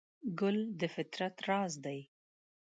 ګل د فطرت راز دی.